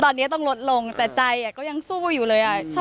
ตอนนี้ต้องลดลงแต่ใจก็ยังสู้อยู่เลย